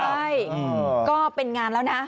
ใช่ก็เป็นงานแล้วนะ